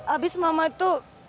abis mama tuh gak mah